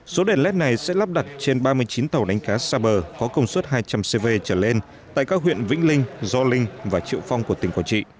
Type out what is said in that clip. số đèn led này sẽ lắp đặt trên ba mươi chín tàu đánh cá xa bờ có công suất hai trăm linh cv trở lên tại các huyện vĩnh linh gio linh và triệu phong của tỉnh quảng trị